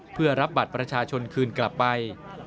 เพื่อรับบัตรประชาชนคืนกลับไป